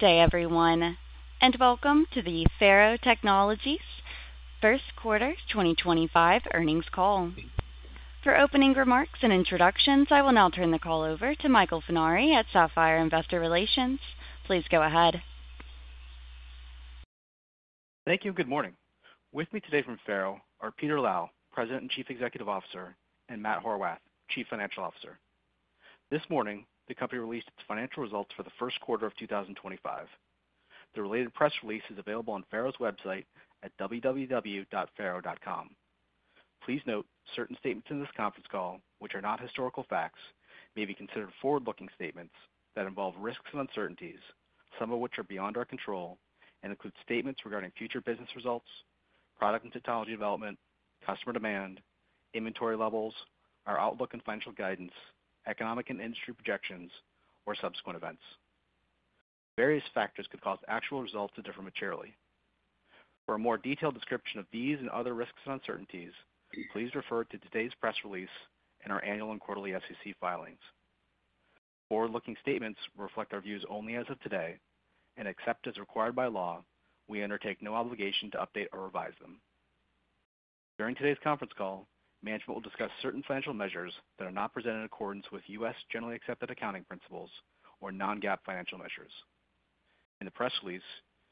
Good day, everyone, and welcome to the FARO Technologies First Quarter 2025 Earnings Call. For opening remarks and introductions, I will now turn the call over to Michael Funari at Sapphire Investor Relations. Please go ahead. Thank you, and good morning. With me today from FARO are Peter Lau, President and Chief Executive Officer, and Matt Horwath, Chief Financial Officer. This morning, the company released its financial results for the first quarter of 2025. The related press release is available on FARO's website at www.faro.com. Please note certain statements in this conference call, which are not historical facts, may be considered forward-looking statements that involve risks and uncertainties, some of which are beyond our control, and include statements regarding future business results, product and technology development, customer demand, inventory levels, our outlook and financial guidance, economic and industry projections, or subsequent events. Various factors could cause actual results to differ materially. For a more detailed description of these and other risks and uncertainties, please refer to today's press release and our annual and quarterly SEC filings. Forward-looking statements reflect our views only as of today, and except as required by law, we undertake no obligation to update or revise them. During today's conference call, management will discuss certain financial measures that are not presented in accordance with U.S. generally accepted accounting principles or non-GAAP financial measures. In the press release,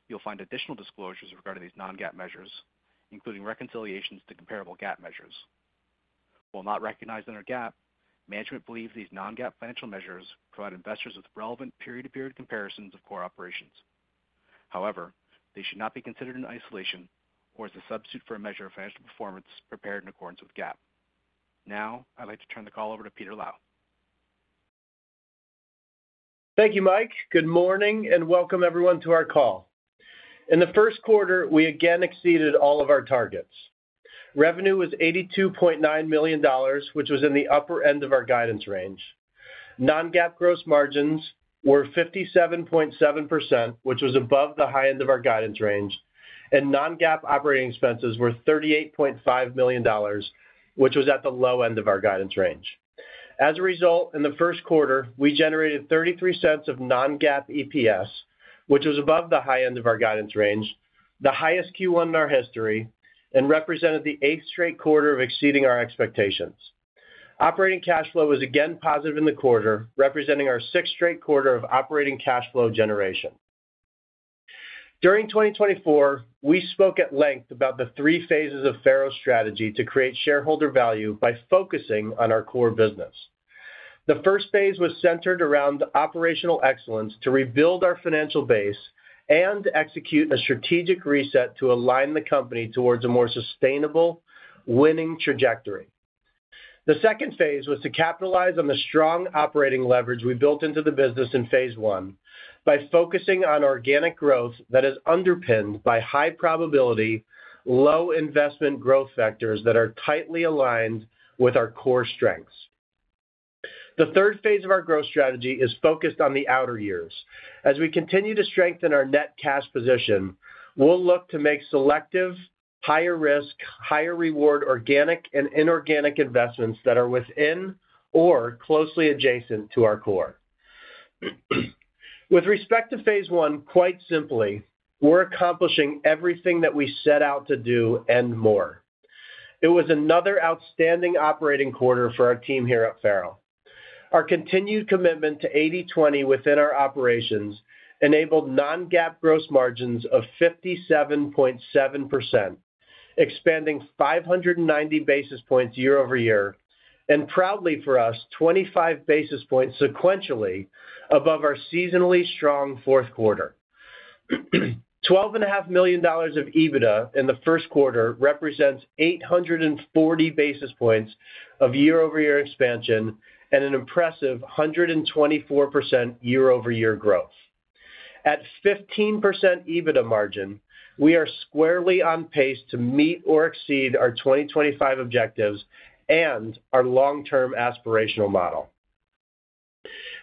you'll find additional disclosures regarding these non-GAAP measures, including reconciliations to comparable GAAP measures. While not recognized under GAAP, management believes these non-GAAP financial measures provide investors with relevant period-to-period comparisons of core operations. However, they should not be considered in isolation or as a substitute for a measure of financial performance prepared in accordance with GAAP. Now, I'd like to turn the call over to Peter Lau. Thank you, Mike. Good morning, and welcome everyone to our call. In the first quarter, we again exceeded all of our targets. Revenue was $82.9 million, which was in the upper end of our guidance range. Non-GAAP gross margins were 57.7%, which was above the high end of our guidance range, and non-GAAP operating expenses were $38.5 million, which was at the low end of our guidance range. As a result, in the first quarter, we generated $0.33 of non-GAAP EPS, which was above the high end of our guidance range, the highest Q1 in our history, and represented the eighth straight quarter of exceeding our expectations. Operating cash flow was again positive in the quarter, representing our sixth straight quarter of operating cash flow generation. During 2024, we spoke at length about the three phases of FARO's strategy to create shareholder value by focusing on our core business. The first phase was centered around operational excellence to rebuild our financial base and execute a strategic reset to align the company towards a more sustainable, winning trajectory. The second phase was to capitalize on the strong operating leverage we built into the business in phase one by focusing on organic growth that is underpinned by high-probability, low-investment growth factors that are tightly aligned with our core strengths. The third phase of our growth strategy is focused on the outer years. As we continue to strengthen our net cash position, we'll look to make selective, higher-risk, higher-reward organic and inorganic investments that are within or closely adjacent to our core. With respect to phase one, quite simply, we're accomplishing everything that we set out to do and more. It was another outstanding operating quarter for our team here at FARO. Our continued commitment to 80/20 within our operations enabled non-GAAP gross margins of 57.7%, expanding 590 basis points year-over-year, and proudly for us, 25 basis points sequentially above our seasonally strong fourth quarter. $12.5 million of EBITDA in the first quarter represents 840 basis points of year-over-year expansion and an impressive 124% year-over-year growth. At 15% EBITDA margin, we are squarely on pace to meet or exceed our 2025 objectives and our long-term aspirational model.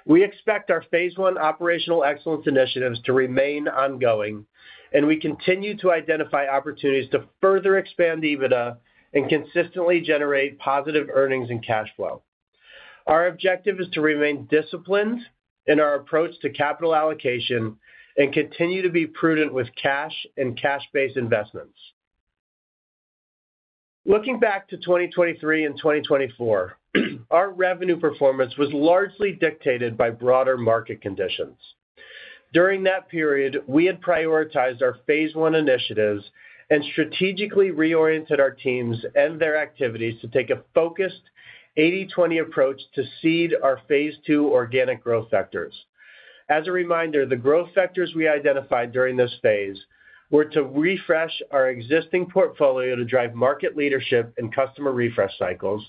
We expect our phase one operational excellence initiatives to remain ongoing, and we continue to identify opportunities to further expand EBITDA and consistently generate positive earnings and cash flow. Our objective is to remain disciplined in our approach to capital allocation and continue to be prudent with cash and cash-based investments. Looking back to 2023 and 2024, our revenue performance was largely dictated by broader market conditions. During that period, we had prioritized our phase one initiatives and strategically reoriented our teams and their activities to take a focused 80/20 approach to seed our phase two organic growth factors. As a reminder, the growth factors we identified during this phase were to refresh our existing portfolio to drive market leadership and customer refresh cycles,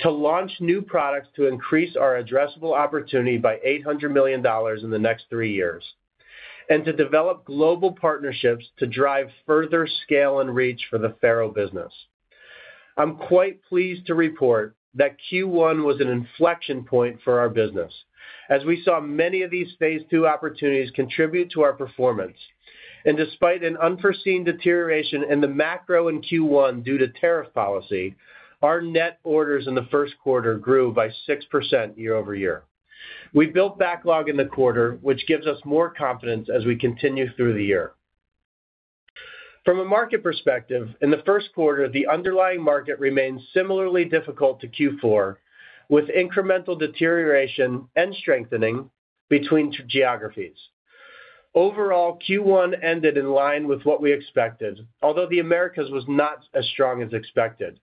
to launch new products to increase our addressable opportunity by $800 million in the next three years, and to develop global partnerships to drive further scale and reach for the FARO business. I'm quite pleased to report that Q1 was an inflection point for our business, as we saw many of these phase two opportunities contribute to our performance. Despite an unforeseen deterioration in the macro in Q1 due to tariff policy, our net orders in the first quarter grew by 6% year-over-year. We built backlog in the quarter, which gives us more confidence as we continue through the year. From a market perspective, in the first quarter, the underlying market remained similarly difficult to Q4, with incremental deterioration and strengthening between geographies. Overall, Q1 ended in line with what we expected, although the Americas was not as strong as expected,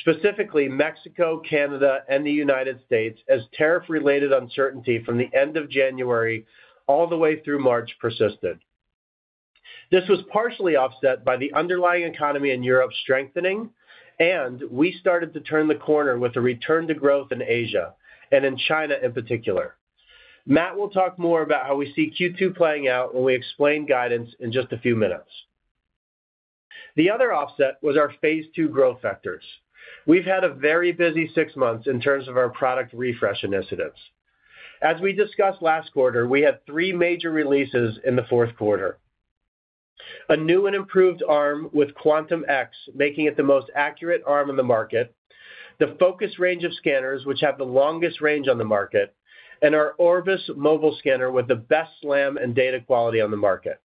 specifically Mexico, Canada, and the United States, as tariff-related uncertainty from the end of January all the way through March persisted. This was partially offset by the underlying economy in Europe strengthening, and we started to turn the corner with a return to growth in Asia and in China in particular. Matt will talk more about how we see Q2 playing out when we explain guidance in just a few minutes. The other offset was our phase two growth factors. We've had a very busy six months in terms of our product refresh initiatives. As we discussed last quarter, we had three major releases in the fourth quarter: a new and improved arm with Quantum Max, making it the most accurate arm in the market; the Focus range of scanners, which have the longest range on the market; and our Orbis mobile scanner with the best SLAM and data quality on the market.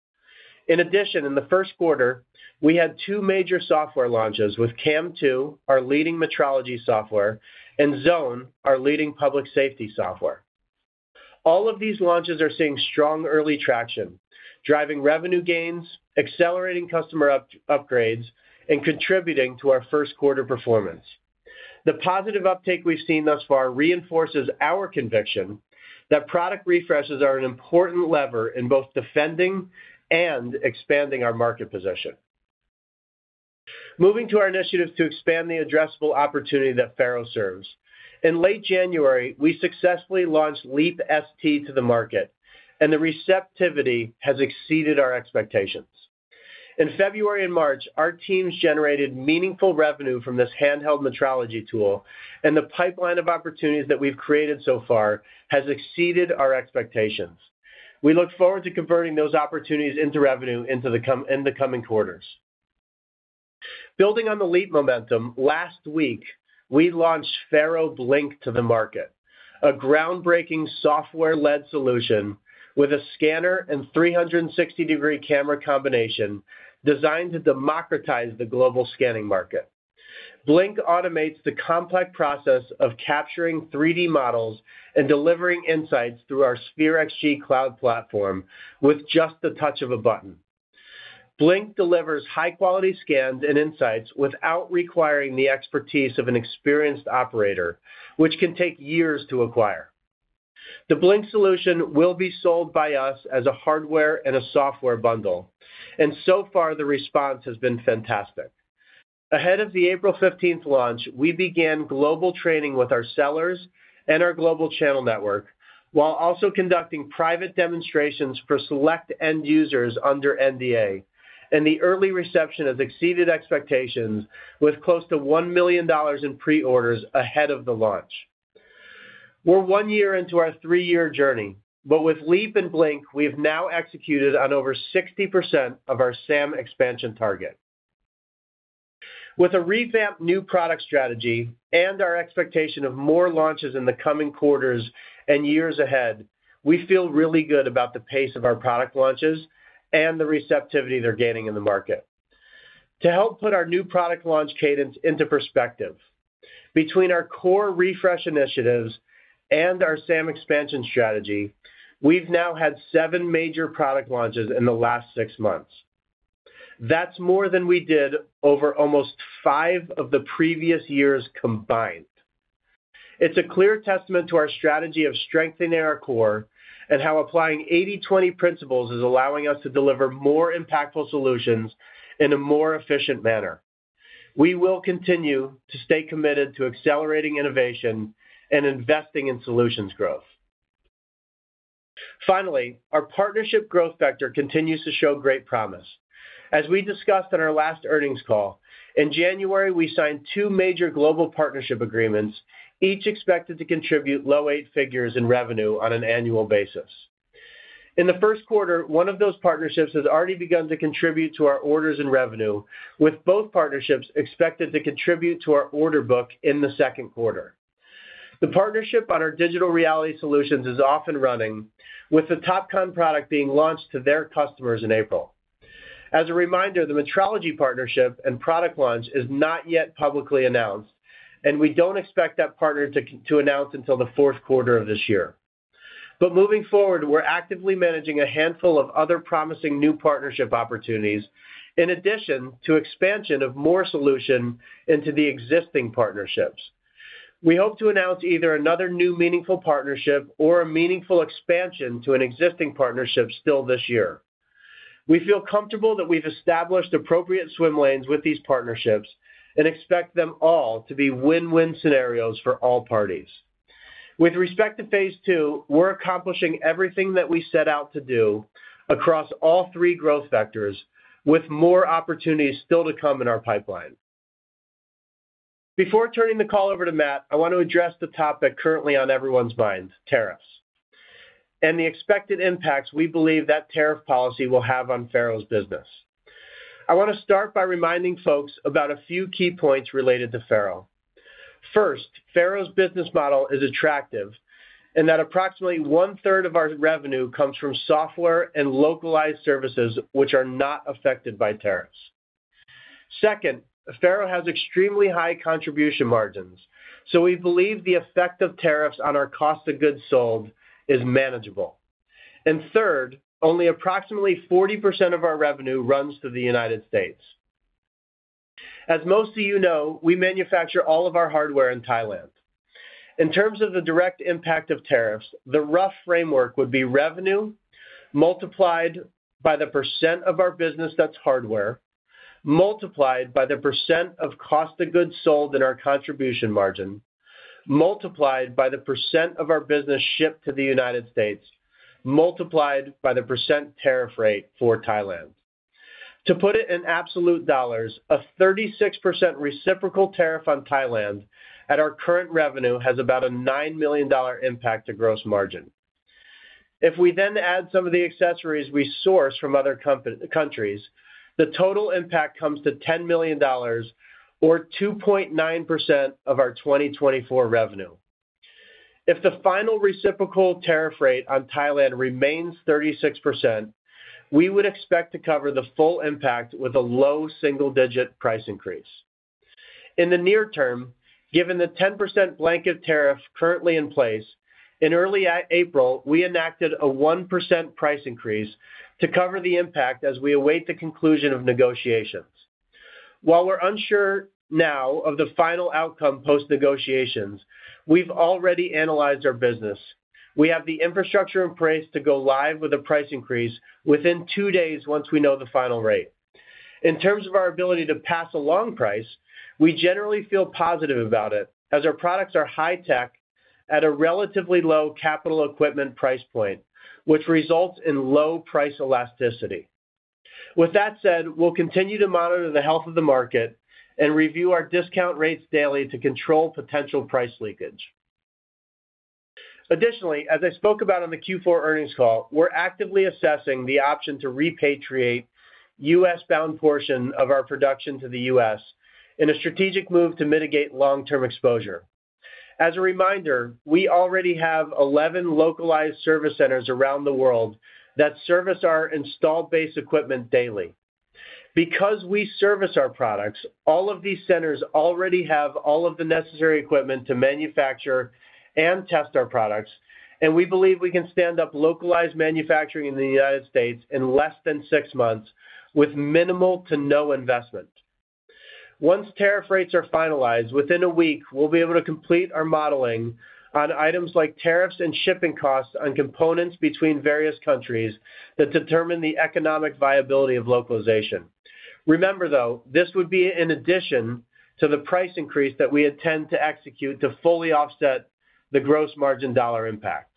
In addition, in the first quarter, we had two major software launches with CAM2, our leading metrology software, and Zone, our leading public safety software. All of these launches are seeing strong early traction, driving revenue gains, accelerating customer upgrades, and contributing to our first quarter performance. The positive uptake we've seen thus far reinforces our conviction that product refreshes are an important lever in both defending and expanding our market position. Moving to our initiatives to expand the addressable opportunity that FARO serves. In late January, we successfully launched Leap ST to the market, and the receptivity has exceeded our expectations. In February and March, our teams generated meaningful revenue from this handheld metrology tool, and the pipeline of opportunities that we've created so far has exceeded our expectations. We look forward to converting those opportunities into revenue in the coming quarters. Building on the Leap momentum, last week we launched FARO Blink to the market, a groundbreaking software-led solution with a scanner and 360-degree camera combination designed to democratize the global scanning market. Blink automates the complex process of capturing 3D models and delivering insights through our Sphere XG cloud platform with just the touch of a button. Blink delivers high-quality scans and insights without requiring the expertise of an experienced operator, which can take years to acquire. The Blink solution will be sold by us as a hardware and a software bundle, and so far the response has been fantastic. Ahead of the April 15th launch, we began global training with our sellers and our global channel network, while also conducting private demonstrations for select end users under NDA, and the early reception has exceeded expectations with close to $1 million in pre-orders ahead of the launch. We're one year into our three-year journey, but with Leap and Blink, we've now executed on over 60% of our SAM expansion target. With a revamped new product strategy and our expectation of more launches in the coming quarters and years ahead, we feel really good about the pace of our product launches and the receptivity they're gaining in the market. To help put our new product launch cadence into perspective, between our core refresh initiatives and our SAM expansion strategy, we've now had seven major product launches in the last six months. That's more than we did over almost five of the previous years combined. It's a clear testament to our strategy of strengthening our core and how applying 80/20 principles is allowing us to deliver more impactful solutions in a more efficient manner. We will continue to stay committed to accelerating innovation and investing in solutions growth. Finally, our partnership growth vector continues to show great promise. As we discussed on our last earnings call, in January, we signed two major global partnership agreements, each expected to contribute low-eight figures in revenue on an annual basis. In the first quarter, one of those partnerships has already begun to contribute to our orders and revenue, with both partnerships expected to contribute to our order book in the second quarter. The partnership on our digital reality solutions is off and running, with the Topcon product being launched to their customers in April. As a reminder, the metrology partnership and product launch is not yet publicly announced, and we do not expect that partner to announce until the fourth quarter of this year. Moving forward, we are actively managing a handful of other promising new partnership opportunities in addition to expansion of more solution into the existing partnerships. We hope to announce either another new meaningful partnership or a meaningful expansion to an existing partnership still this year. We feel comfortable that we've established appropriate swim lanes with these partnerships and expect them all to be win-win scenarios for all parties. With respect to phase two, we're accomplishing everything that we set out to do across all three growth vectors, with more opportunities still to come in our pipeline. Before turning the call over to Matt, I want to address the topic currently on everyone's mind: tariffs and the expected impacts we believe that tariff policy will have on FARO's business. I want to start by reminding folks about a few key points related to FARO. First, FARO's business model is attractive in that approximately one-third of our revenue comes from software and localized services, which are not affected by tariffs. Second, FARO has extremely high contribution margins, so we believe the effect of tariffs on our cost of goods sold is manageable. Third, only approximately 40% of our revenue runs to the United States. As most of you know, we manufacture all of our hardware in Thailand. In terms of the direct impact of tariffs, the rough framework would be revenue multiplied by the % of our business that's hardware, multiplied by the percent of cost of goods sold in our contribution margin, multiplied by the % of our business shipped to the United States, multiplied by the percent tariff rate for Thailand. To put it in absolute dollars, a 36% reciprocal tariff on Thailand at our current revenue has about a $9 million impact to gross margin. If we then add some of the accessories we source from other countries, the total impact comes to $10 million or 2.9% of our 2024 revenue. If the final reciprocal tariff rate on Thailand remains 36%, we would expect to cover the full impact with a low single-digit price increase. In the near term, given the 10% blanket tariff currently in place, in early April, we enacted a 1% price increase to cover the impact as we await the conclusion of negotiations. While we're unsure now of the final outcome post-negotiations, we've already analyzed our business. We have the infrastructure in place to go live with a price increase within two days once we know the final rate. In terms of our ability to pass along price, we generally feel positive about it as our products are high-tech at a relatively low capital equipment price point, which results in low price elasticity. With that said, we'll continue to monitor the health of the market and review our discount rates daily to control potential price leakage. Additionally, as I spoke about on the Q4 earnings call, we're actively assessing the option to repatriate a U.S.-bound portion of our production to the U.S. in a strategic move to mitigate long-term exposure. As a reminder, we already have 11 localized service centers around the world that service our installed-based equipment daily. Because we service our products, all of these centers already have all of the necessary equipment to manufacture and test our products, and we believe we can stand up localized manufacturing in the United States in less than six months with minimal to no investment. Once tariff rates are finalized, within a week, we'll be able to complete our modeling on items like tariffs and shipping costs on components between various countries that determine the economic viability of localization. Remember, though, this would be in addition to the price increase that we intend to execute to fully offset the gross margin dollar impact.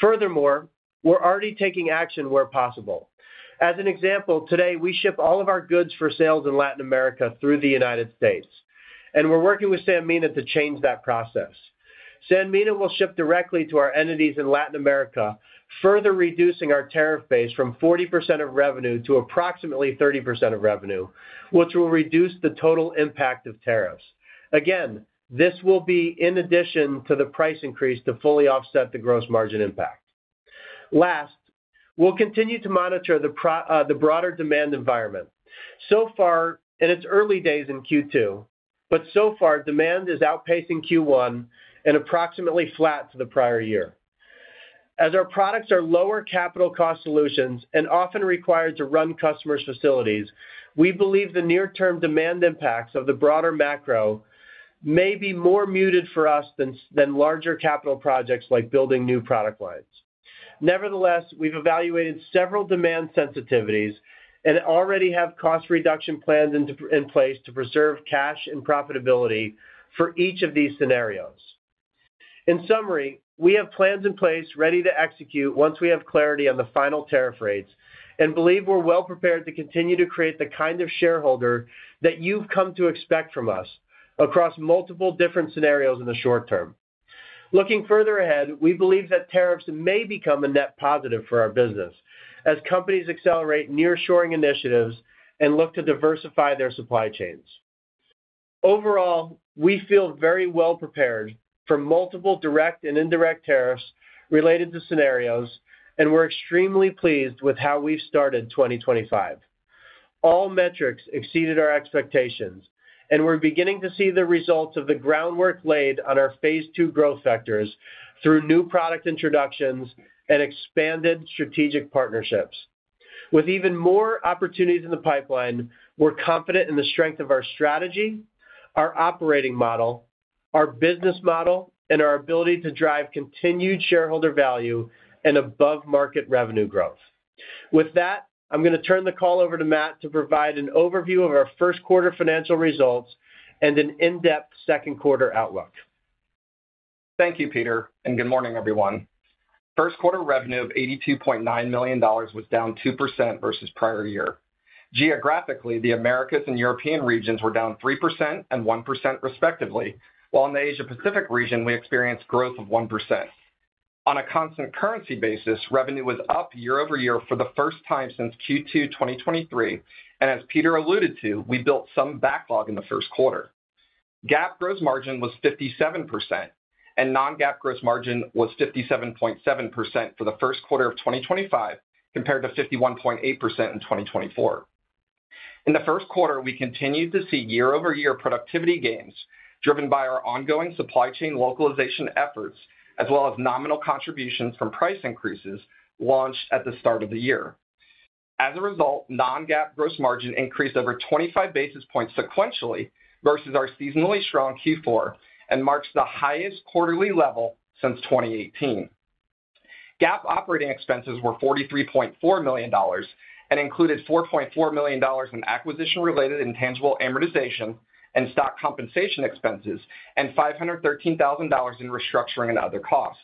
Furthermore, we're already taking action where possible. As an example, today, we ship all of our goods for sales in Latin America through the United States, and we're working with Sanmina to change that process. Sanmina will ship directly to our entities in Latin America, further reducing our tariff base from 40% of revenue to approximately 30% of revenue, which will reduce the total impact of tariffs. Again, this will be in addition to the price increase to fully offset the gross margin impact. Last, we'll continue to monitor the broader demand environment. So far, in its early days in Q2, but so far, demand is outpacing Q1 and approximately flat to the prior year. As our products are lower capital cost solutions and often required to run customers' facilities, we believe the near-term demand impacts of the broader macro may be more muted for us than larger capital projects like building new product lines. Nevertheless, we've evaluated several demand sensitivities and already have cost reduction plans in place to preserve cash and profitability for each of these scenarios. In summary, we have plans in place ready to execute once we have clarity on the final tariff rates and believe we're well prepared to continue to create the kind of shareholder value that you've come to expect from us across multiple different scenarios in the short term. Looking further ahead, we believe that tariffs may become a net positive for our business as companies accelerate nearshoring initiatives and look to diversify their supply chains. Overall, we feel very well prepared for multiple direct and indirect tariffs related to scenarios, and we're extremely pleased with how we've started 2025. All metrics exceeded our expectations, and we're beginning to see the results of the groundwork laid on our phase two growth vectors through new product introductions and expanded strategic partnerships. With even more opportunities in the pipeline, we're confident in the strength of our strategy, our operating model, our business model, and our ability to drive continued shareholder value and above-market revenue growth. With that, I'm going to turn the call over to Matt to provide an overview of our first quarter financial results and an in-depth second quarter outlook. Thank you, Peter, and good morning, everyone. First quarter revenue of $82.9 million was down 2% versus prior year. Geographically, the Americas and European regions were down 3% and 1% respectively, while in the Asia-Pacific region, we experienced growth of 1%. On a constant currency basis, revenue was up year-over-year for the first time since Q2 2023, and as Peter alluded to, we built some backlog in the first quarter. GAAP gross margin was 57%, and non-GAAP gross margin was 57.7% for the first quarter of 2025 compared to 51.8% in 2024. In the first quarter, we continued to see year-over-year productivity gains driven by our ongoing supply chain localization efforts, as well as nominal contributions from price increases launched at the start of the year. As a result, non-GAAP gross margin increased over 25 basis points sequentially versus our seasonally strong Q4 and marks the highest quarterly level since 2018. GAAP operating expenses were $43.4 million and included $4.4 million in acquisition-related intangible amortization and stock compensation expenses and $513,000 in restructuring and other costs.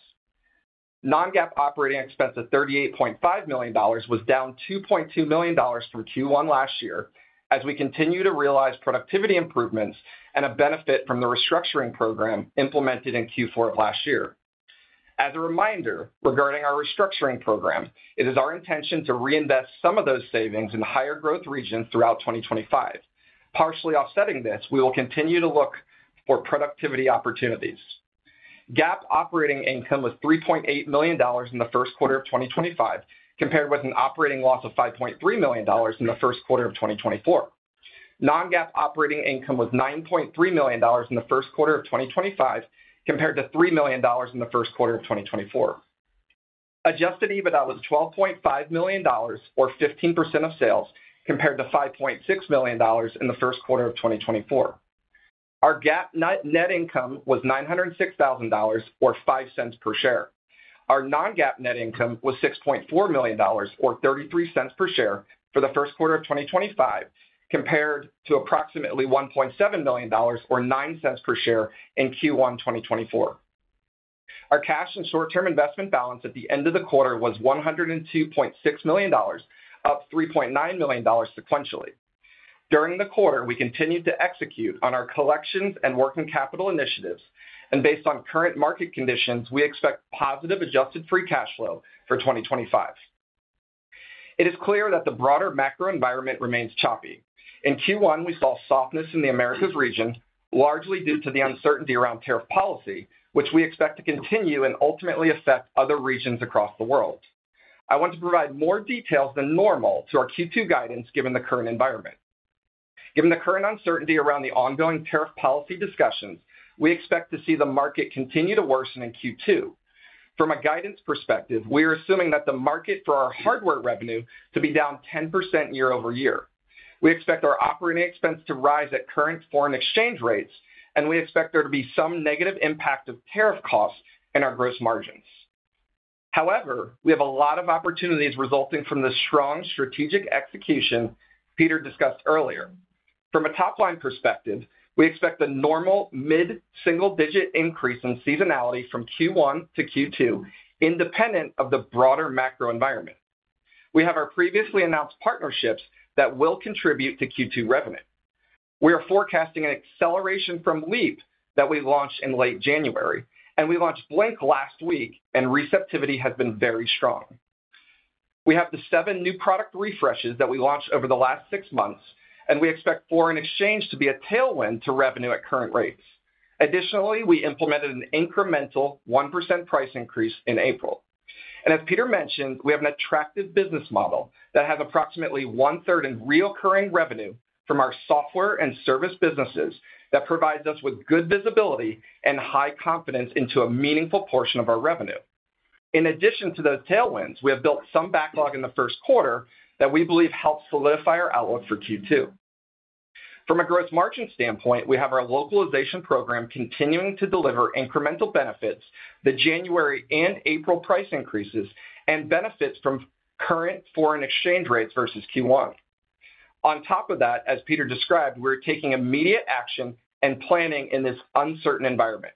Non-GAAP operating expense of $38.5 million was down $2.2 million from Q1 last year as we continue to realize productivity improvements and a benefit from the restructuring program implemented in Q4 of last year. As a reminder regarding our restructuring program, it is our intention to reinvest some of those savings in higher growth regions throughout 2025. Partially offsetting this, we will continue to look for productivity opportunities. GAAP operating income was $3.8 million in the first quarter of 2025 compared with an operating loss of $5.3 million in the first quarter of 2024. Non-GAAP operating income was $9.3 million in the first quarter of 2025 compared to $3 million in the first quarter of 2024. Adjusted EBITDA was $12.5 million, or 15% of sales, compared to $5.6 million in the first quarter of 2024. Our GAAP net income was $906,000 or $0.05 per share. Our non-GAAP net income was $6.4 million or $0.33 per share for the first quarter of 2025 compared to approximately $1.7 million or $0.09 per share in Q1 2024. Our cash and short-term investment balance at the end of the quarter was $102.6 million, up $3.9 million sequentially. During the quarter, we continued to execute on our collections and working capital initiatives, and based on current market conditions, we expect positive adjusted free cash flow for 2025. It is clear that the broader macro environment remains choppy. In Q1, we saw softness in the Americas region, largely due to the uncertainty around tariff policy, which we expect to continue and ultimately affect other regions across the world. I want to provide more details than normal to our Q2 guidance given the current environment. Given the current uncertainty around the ongoing tariff policy discussions, we expect to see the market continue to worsen in Q2. From a guidance perspective, we are assuming that the market for our hardware revenue to be down 10% year-over-year. We expect our operating expense to rise at current foreign exchange rates, and we expect there to be some negative impact of tariff costs in our gross margins. However, we have a lot of opportunities resulting from the strong strategic execution Peter discussed earlier. From a top-line perspective, we expect a normal mid-single-digit increase in seasonality from Q1 to Q2, independent of the broader macro environment. We have our previously announced partnerships that will contribute to Q2 revenue. We are forecasting an acceleration from Leap that we launched in late January, and we launched Blink last week, and receptivity has been very strong. We have the seven new product refreshes that we launched over the last six months, and we expect foreign exchange to be a tailwind to revenue at current rates. Additionally, we implemented an incremental 1% price increase in April. As Peter mentioned, we have an attractive business model that has approximately one-third in recurring revenue from our software and service businesses that provides us with good visibility and high confidence into a meaningful portion of our revenue. In addition to those tailwinds, we have built some backlog in the first quarter that we believe helps solidify our outlook for Q2. From a gross margin standpoint, we have our localization program continuing to deliver incremental benefits, the January and April price increases, and benefits from current foreign exchange rates versus Q1. On top of that, as Peter described, we're taking immediate action and planning in this uncertain environment.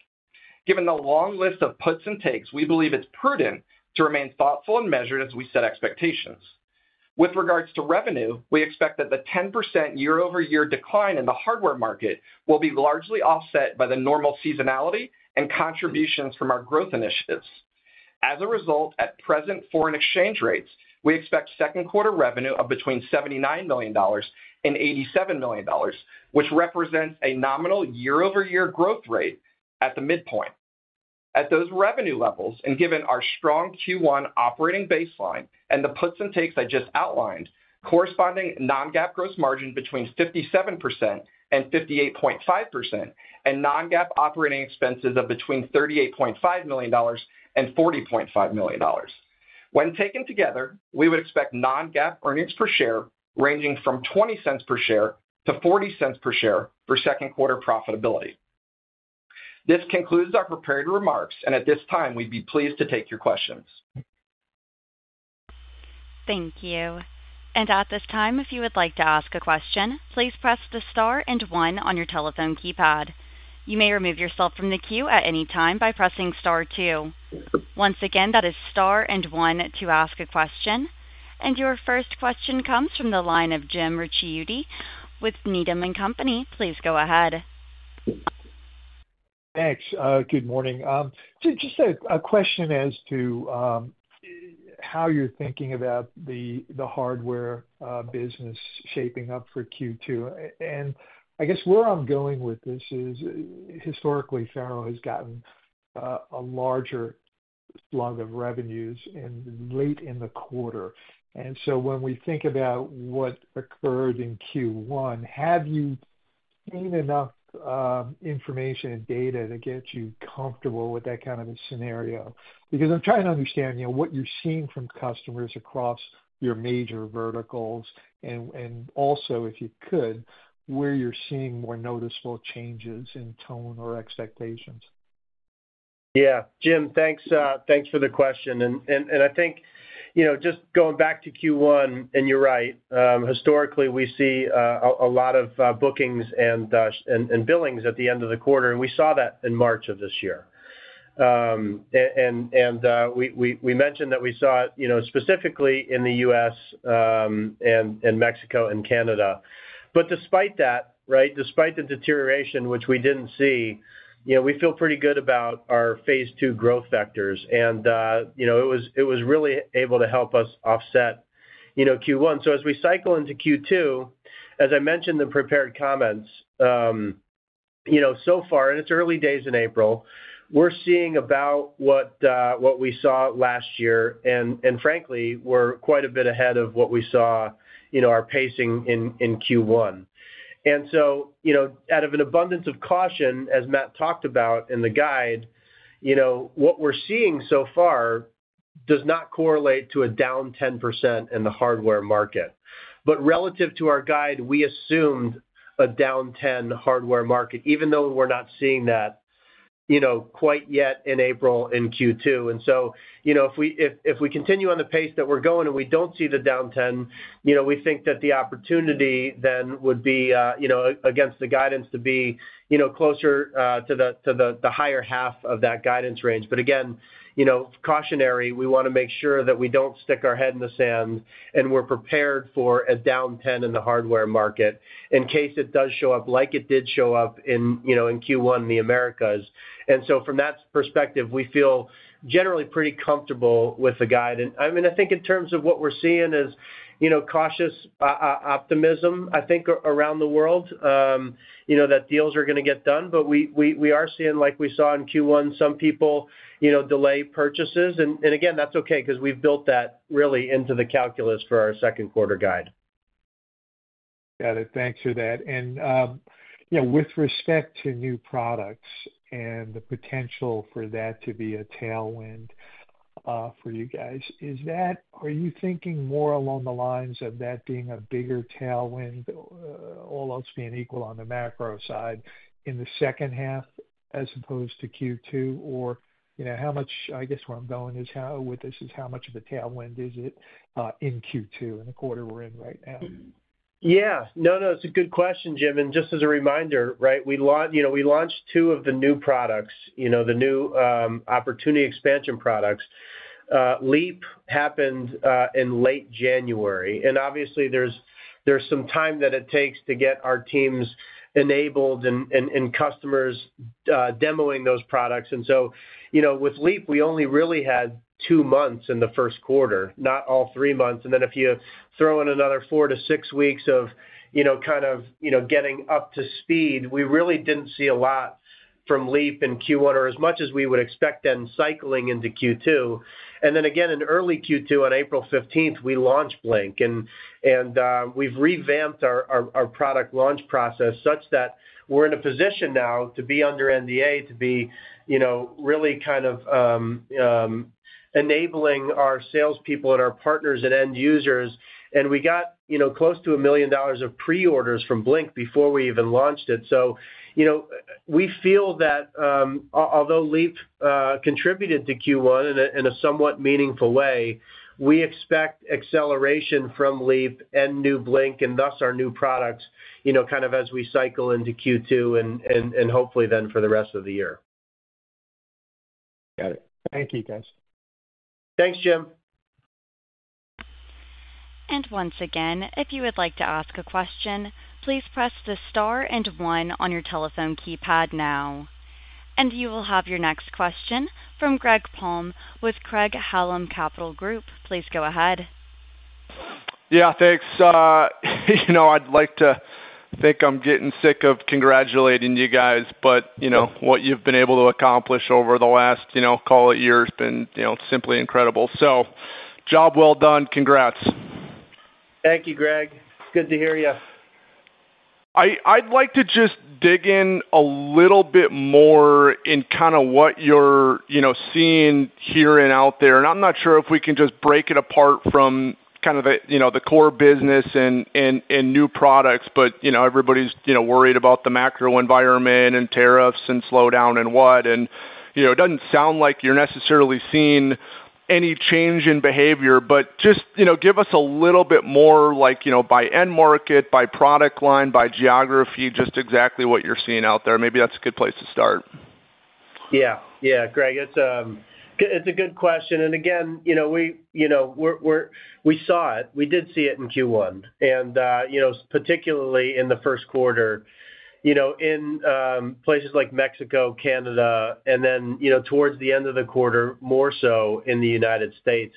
Given the long list of puts and takes, we believe it's prudent to remain thoughtful and measured as we set expectations. With regards to revenue, we expect that the 10% year-over-year decline in the hardware market will be largely offset by the normal seasonality and contributions from our growth initiatives. As a result, at present foreign exchange rates, we expect second quarter revenue of between $79 million and $87 million, which represents a nominal year-over-year growth rate at the midpoint. At those revenue levels, and given our strong Q1 operating baseline and the puts and takes I just outlined, corresponding non-GAAP gross margin between 57%-58.5%, and non-GAAP operating expenses of between $38.5 million-$40.5 million. When taken together, we would expect non-GAAP earnings per share ranging from $0.20 per share to $0.40 per share for second quarter profitability. This concludes our prepared remarks, and at this time, we'd be pleased to take your questions. Thank you. At this time, if you would like to ask a question, please press the star and one on your telephone keypad. You may remove yourself from the queue at any time by pressing star two. Once again, that is star and one to ask a question. Your first question comes from the line of Jim Ricchiuti with Needham & Company. Please go ahead. Thanks. Good morning. Just a question as to how you're thinking about the hardware business shaping up for Q2. I guess where I'm going with this is historically, FARO has gotten a larger slug of revenues late in the quarter. When we think about what occurred in Q1, have you seen enough information and data to get you comfortable with that kind of a scenario? I'm trying to understand what you're seeing from customers across your major verticals and also, if you could, where you're seeing more noticeable changes in tone or expectations. Yeah. Jim, thanks for the question. I think just going back to Q1, and you're right, historically, we see a lot of bookings and billings at the end of the quarter, and we saw that in March of this year. We mentioned that we saw it specifically in the U.S. and Mexico and Canada. Despite that, right, despite the deterioration, which we did not see, we feel pretty good about our phase two growth vectors, and it was really able to help us offset Q1. As we cycle into Q2, as I mentioned in prepared comments, so far, in its early days in April, we are seeing about what we saw last year, and frankly, we are quite a bit ahead of what we saw our pacing in Q1. Out of an abundance of caution, as Matt talked about in the guide, what we are seeing so far does not correlate to a down 10% in the hardware market. Relative to our guide, we assumed a down 10% hardware market, even though we are not seeing that quite yet in April in Q2. If we continue on the pace that we're going and we don't see the down 10, we think that the opportunity then would be against the guidance to be closer to the higher half of that guidance range. Again, cautionary, we want to make sure that we don't stick our head in the sand and we're prepared for a down 10 in the hardware market in case it does show up like it did show up in Q1 in the Americas. From that perspective, we feel generally pretty comfortable with the guide. I mean, I think in terms of what we're seeing is cautious optimism, I think, around the world that deals are going to get done. We are seeing, like we saw in Q1, some people delay purchases. Again, that's okay because we've built that really into the calculus for our second quarter guide. Got it. Thanks for that. With respect to new products and the potential for that to be a tailwind for you guys, are you thinking more along the lines of that being a bigger tailwind, all else being equal on the macro side in the second half as opposed to Q2? How much, I guess where I'm going with this is how much of a tailwind is it in Q2 in the quarter we're in right now? Yeah. No, no. It's a good question, Jim. Just as a reminder, right, we launched two of the new products, the new opportunity expansion products. Leap happened in late January. Obviously, there's some time that it takes to get our teams enabled and customers demoing those products. With Leap, we only really had two months in the first quarter, not all three months. If you throw in another four to six weeks of kind of getting up to speed, we really did not see a lot from Leap in Q1 or as much as we would expect then cycling into Q2. In early Q2 on April 15th, we launched Blink, and we have revamped our product launch process such that we are in a position now to be under NDA, to be really kind of enabling our salespeople and our partners and end users. We got close to $1 million of pre-orders from Blink before we even launched it. We feel that although Leap contributed to Q1 in a somewhat meaningful way, we expect acceleration from Leap and new Blink and thus our new products kind of as we cycle into Q2 and hopefully then for the rest of the year. Got it. Thank you, guys. Thanks, Jim. Once again, if you would like to ask a question, please press the star and one on your telephone keypad now. You will have your next question from Greg Palm with Craig-Hallum Capital Group. Please go ahead. Yeah, thanks. I'd like to think I'm getting sick of congratulating you guys, but what you've been able to accomplish over the last, call it year, has been simply incredible. Job well done. Congrats. Thank you, Gregg. It's good to hear you. I'd like to just dig in a little bit more in kind of what you're seeing here and out there. I'm not sure if we can just break it apart from kind of the core business and new products, but everybody's worried about the macro environment and tariffs and slowdown and what. It doesn't sound like you're necessarily seeing any change in behavior, but just give us a little bit more by end market, by product line, by geography, just exactly what you're seeing out there. Maybe that's a good place to start. Yeah. Yeah, Gregg, it's a good question. Again, we saw it. We did see it in Q1, and particularly in the first quarter in places like Mexico, Canada, and then towards the end of the quarter, more so in the United States.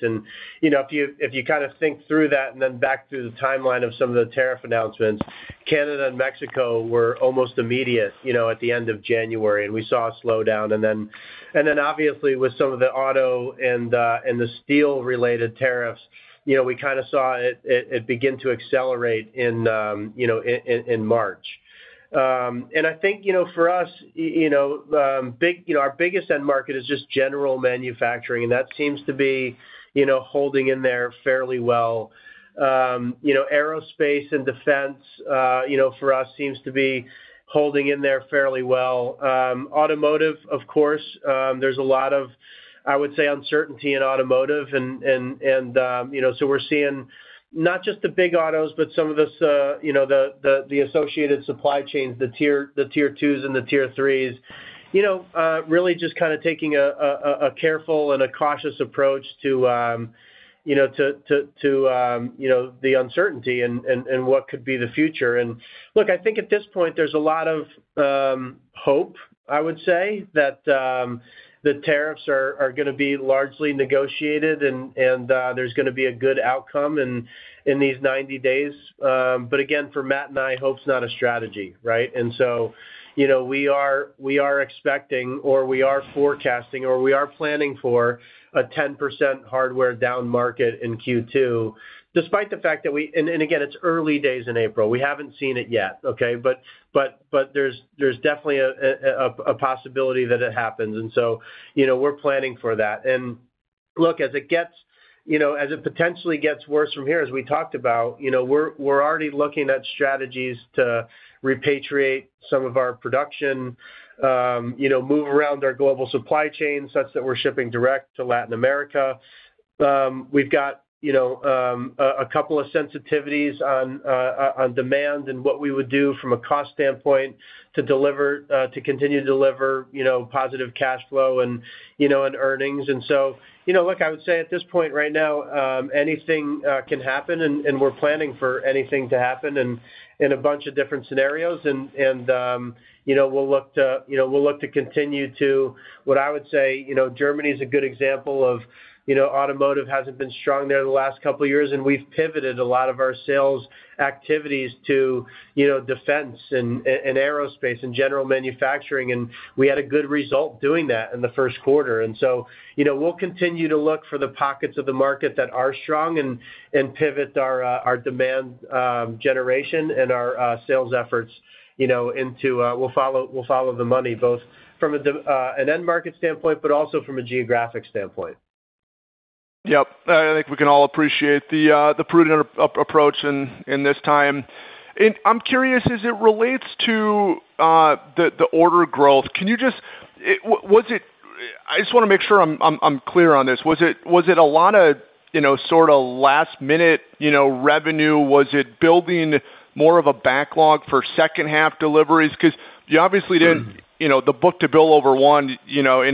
If you kind of think through that and then back through the timeline of some of the tariff announcements, Canada and Mexico were almost immediate at the end of January, and we saw a slowdown. Obviously, with some of the auto and the steel-related tariffs, we kind of saw it begin to accelerate in March. I think for us, our biggest end market is just general manufacturing, and that seems to be holding in there fairly well. Aerospace and defense for us seems to be holding in there fairly well. Automotive, of course, there is a lot of, I would say, uncertainty in automotive. We are seeing not just the big autos, but some of the associated supply chains, the tier twos and the tier threes, really just kind of taking a careful and a cautious approach to the uncertainty and what could be the future. Look, I think at this point, there's a lot of hope, I would say, that the tariffs are going to be largely negotiated and there's going to be a good outcome in these 90 days. Again, for Matt and I, hope's not a strategy, right? We are expecting, or we are forecasting, or we are planning for a 10% hardware down market in Q2, despite the fact that we—and again, it's early days in April. We haven't seen it yet, okay? There's definitely a possibility that it happens. We are planning for that. As it potentially gets worse from here, as we talked about, we're already looking at strategies to repatriate some of our production, move around our global supply chain such that we're shipping direct to Latin America. We've got a couple of sensitivities on demand and what we would do from a cost standpoint to continue to deliver positive cash flow and earnings. I would say at this point right now, anything can happen, and we're planning for anything to happen in a bunch of different scenarios. We'll look to continue to—what I would say, Germany is a good example of automotive hasn't been strong there the last couple of years, and we've pivoted a lot of our sales activities to defense and aerospace and general manufacturing. We had a good result doing that in the first quarter. We'll continue to look for the pockets of the market that are strong and pivot our demand generation and our sales efforts into—we'll follow the money both from an end market standpoint, but also from a geographic standpoint. Yep. I think we can all appreciate the prudent approach in this time. I'm curious, as it relates to the order growth, can you just—I just want to make sure I'm clear on this. Was it a lot of sort of last-minute revenue? Was it building more of a backlog for second-half deliveries? Because you obviously did not—the book to bill over one, and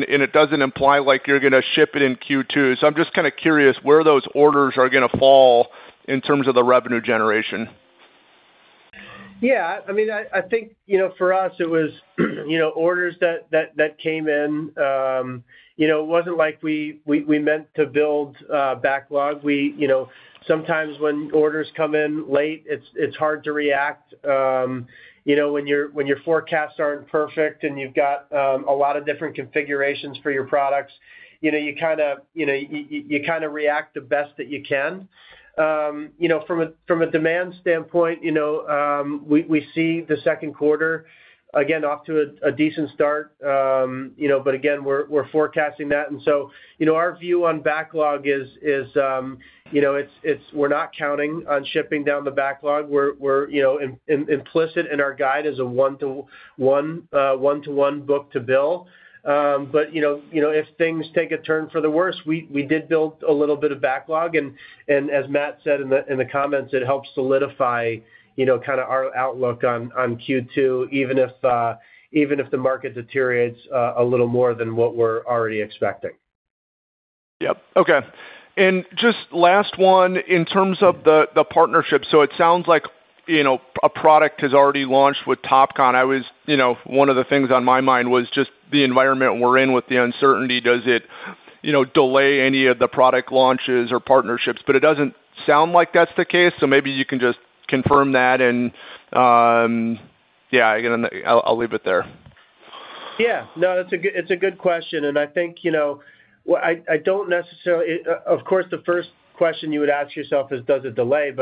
it does not imply you're going to ship it in Q2. I am just kind of curious where those orders are going to fall in terms of the revenue generation. Yeah. I mean, I think for us, it was orders that came in. It was not like we meant to build backlog. Sometimes when orders come in late, it is hard to react. When your forecasts are not perfect and you have got a lot of different configurations for your products, you kind of react the best that you can. From a demand standpoint, we see the second quarter, again, off to a decent start. Again, we're forecasting that. Our view on backlog is we're not counting on shipping down the backlog. We're implicit in our guide as a one-to-one book to bill. If things take a turn for the worse, we did build a little bit of backlog. As Matt said in the comments, it helps solidify kind of our outlook on Q2, even if the market deteriorates a little more than what we're already expecting. Yep. Okay. Just last one, in terms of the partnership. It sounds like a product has already launched with Topcon. One of the things on my mind was just the environment we're in with the uncertainty. Does it delay any of the product launches or partnerships? It doesn't sound like that's the case. Maybe you can just confirm that. Yeah, I'll leave it there. Yeah. No, it's a good question. I think I don't necessarily—of course, the first question you would ask yourself is, does it delay?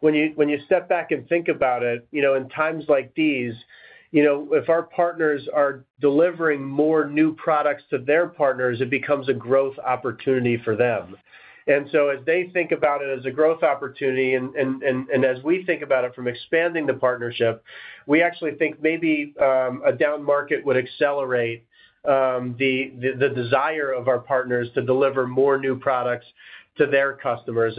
When you step back and think about it, in times like these, if our partners are delivering more new products to their partners, it becomes a growth opportunity for them. As they think about it as a growth opportunity, and as we think about it from expanding the partnership, we actually think maybe a down market would accelerate the desire of our partners to deliver more new products to their customers.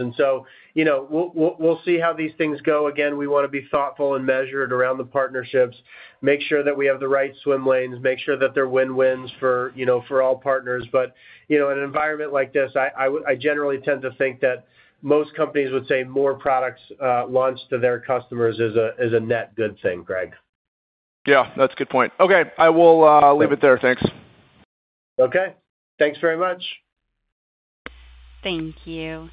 We'll see how these things go. Again, we want to be thoughtful and measured around the partnerships, make sure that we have the right swim lanes, make sure that they're win-wins for all partners. In an environment like this, I generally tend to think that most companies would say more products launched to their customers is a net good thing, Gregg. Yeah. That's a good point. Okay. I will leave it there. Thanks. Okay. Thanks very much. Thank you.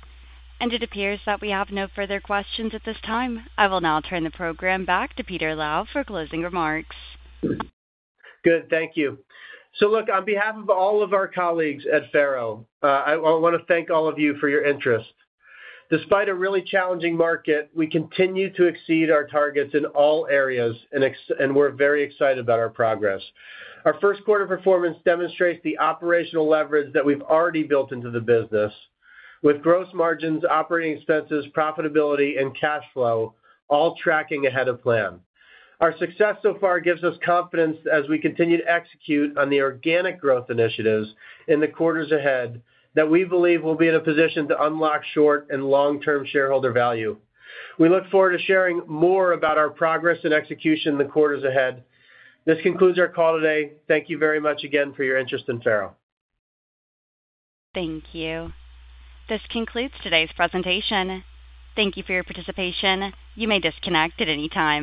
It appears that we have no further questions at this time. I will now turn the program back to Peter Lau for closing remarks. Good. Thank you. On behalf of all of our colleagues at FARO, I want to thank all of you for your interest. Despite a really challenging market, we continue to exceed our targets in all areas, and we're very excited about our progress. Our first quarter performance demonstrates the operational leverage that we've already built into the business, with gross margins, operating expenses, profitability, and cash flow all tracking ahead of plan. Our success so far gives us confidence as we continue to execute on the organic growth initiatives in the quarters ahead that we believe will be in a position to unlock short and long-term shareholder value. We look forward to sharing more about our progress and execution in the quarters ahead. This concludes our call today. Thank you very much again for your interest in FARO. Thank you. This concludes today's presentation. Thank you for your participation. You may disconnect at any time.